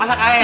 masak air ya